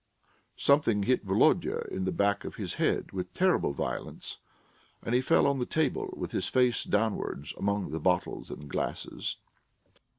Something hit Volodya in the back of his head with terrible violence, and he fell on the table with his face downwards among the bottles and glasses.